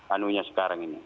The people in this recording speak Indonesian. anunya sekarang ini